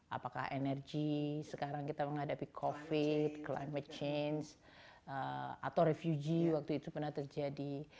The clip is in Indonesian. apakah energi sekarang kita menghadapi covid climate change atau refugee waktu itu pernah terjadi